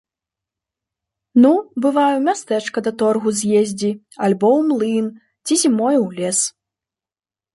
Ну, бывае, у мястэчка да торгу з'ездзі, альбо ў млын ці зімою ў лес.